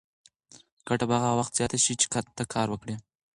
ګټه به هغه وخت زیاته شي چې ته کار وکړې.